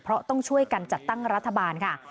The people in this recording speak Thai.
เพราะต้องช่วยกันจัดตั้งรัฐบาลค่ะ